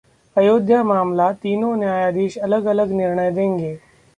अयोध्या मामला: तीनों न्यायाधीश अलग-अलग निर्णय देंगे